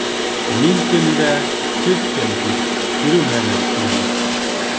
Мин кем дә, һеҙ кем тип йөрөмәһен әле кинәнеп.